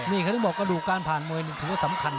นี่เขาถึงบอกกระดูกการผ่านมวยนี่ถือว่าสำคัญ